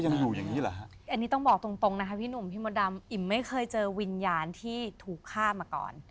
อันนี้ต้องบอกตรงนะคะพี่หนุ่มพี่มดรรมอิ่มไม่เคยเจอวิญญาณที่ถูกฆ่ามาก่อน